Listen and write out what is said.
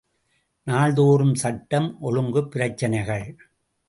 நாள்தோறும் சட்டம், ஒழுங்குப் பிரச்சனைகள்!